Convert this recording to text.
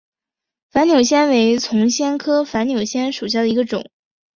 反扭藓为丛藓科反扭藓属下的一个种。